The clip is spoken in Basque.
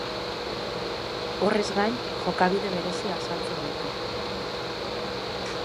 Horrez gain, jokabide berezia azaltzen dute.